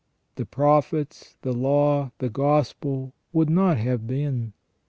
The Prophets, the Law, the Gospel, would not have been.